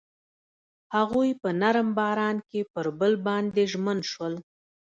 هغوی په نرم باران کې پر بل باندې ژمن شول.